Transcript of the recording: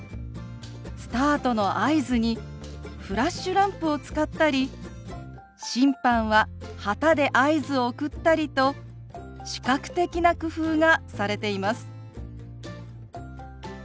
スタートの合図にフラッシュランプを使ったり審判は旗で合図を送ったりと視覚的な工夫がされています。